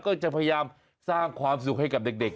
ก็จะพยายามสร้างความสุขให้กับเด็ก